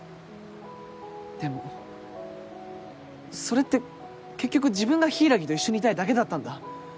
でもそれって結局自分が柊と一緒にいたいだけだったんだ。